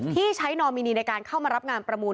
ที่ใช้นอมินีในการเข้ามารับงานประมูล